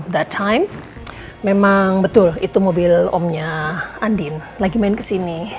that time memang betul itu mobil omnya andin lagi main kesini